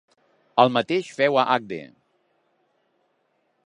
El mateix féu a Agde.